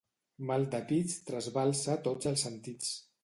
Mal de pits trasbalsa tots els sentits.